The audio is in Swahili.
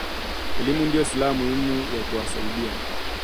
Elimu ndio silaha muhimu ya kuwasaidia